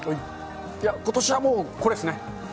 いや、ことしはもう、これですね。